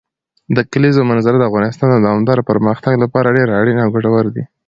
د کلیزو منظره د افغانستان د دوامداره پرمختګ لپاره ډېر اړین او ګټور دی.